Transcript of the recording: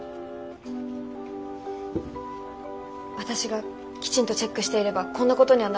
私がきちんとチェックしていればこんなことにはならなかったんです。